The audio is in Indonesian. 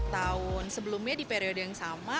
tahun sebelumnya di periode yang sama